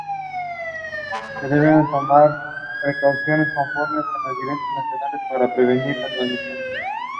The unit was based in Gothenburg.